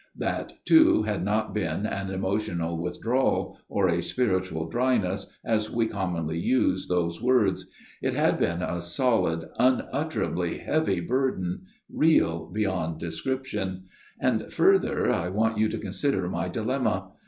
That, too, had not been an emotional withdrawal, or a spiritual dryness, as we commonly use those words. It had been a solid unutterably heavy burden real beyond description. ... And further, I want you to consider my dilemma.